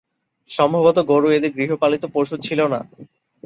সম্ভবত গরু এদের গৃহপালিত পশু ছিল না।